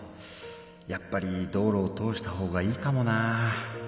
やっぱり道路を通したほうがいいかもなぁ。